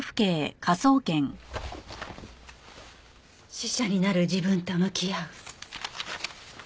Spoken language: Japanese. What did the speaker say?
死者になる自分と向き合う。